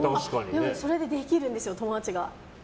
でもそれでできるんですよ、友達が。